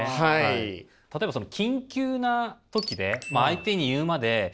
例えばその緊急な時で相手に言うまで何でしょう？